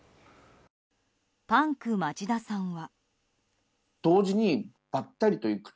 パンク町田さんは。